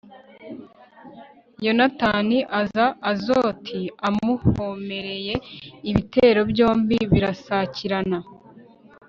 yonatani aza azoti amuhomereye, ibitero byombi birasakirana